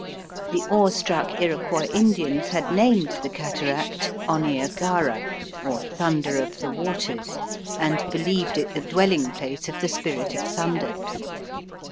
The awestruck Iroquois Indians had named the cataract "Oniagahra," or Thunder of the Waters, and believed it the dwelling place of the Spirit of Thunder.